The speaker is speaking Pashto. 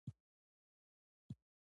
که ستړي یاست، لږ ارام وکړئ.